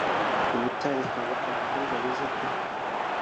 “I Butare haba abakobwa beza pe